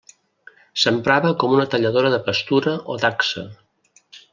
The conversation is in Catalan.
S'emprava com una talladora de pastura o dacsa.